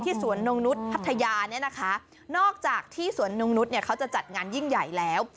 ที่สวนนมนุษย์ภัทยานี้นะคะนอกจากที่สวนนมนุษย์เขาจะจัดงานยิ่งใหญ่แล้ว